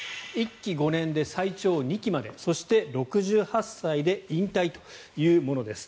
１期５年で最長２期までそして６８歳で引退というものです。